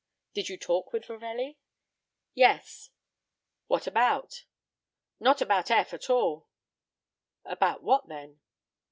"Did you talk with Ravelli?" "Yes." "About what?" "Not about Eph at all." "About what, then?"